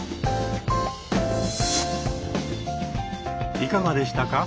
いかがでしたか？